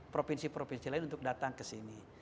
provinsi provinsi lain untuk datang ke sini